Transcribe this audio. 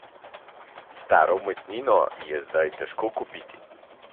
Staro umetnino je zdaj težko kupiti.